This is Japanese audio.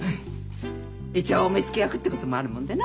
一応お目付け役ってこともあるもんでな。